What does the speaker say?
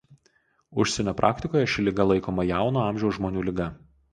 Užsienio praktikoje ši liga laikoma jauno amžiaus žmonių liga.